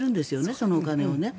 そのお金を。